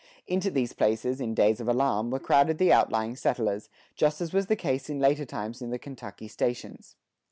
Into these places, in days of alarm, were crowded the outlying settlers, just as was the case in later times in the Kentucky "stations."